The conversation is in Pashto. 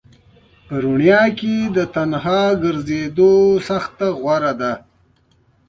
په رڼا کې د تنها ګرځېدلو څخه غوره ده.